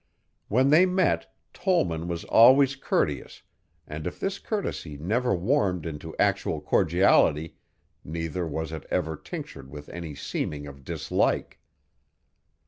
When they met, Tollman was always courteous and if this courtesy never warmed into actual cordiality neither was it ever tinctured with any seeming of dislike.